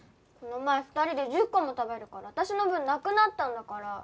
この前２人で１０個も食べるから私の分なくなったんだから。